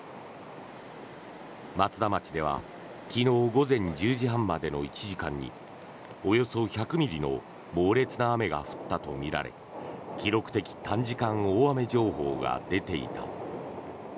松田町では昨日午前１０時半までの１時間におよそ１００ミリの猛烈な雨が降ったとみられ記録的短時間大雨情報が出ていた。